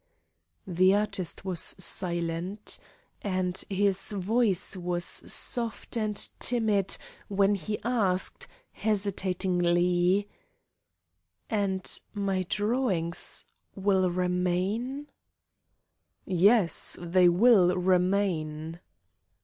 The artist was silent. And his voice was soft and timid when he asked, hesitatingly: "And my drawings will remain?" "Yes; they will remain."